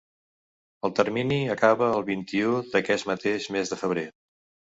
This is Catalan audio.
El termini acaba el vint-i-u d’aquest mateix mes de febrer.